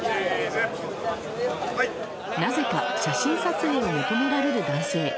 なぜか写真撮影を求められる男性。